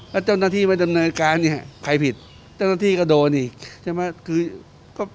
แล้วเจ้าหน้าที่มาจนในการใครผิดเจ้าหน้าที่ก็โดนอีก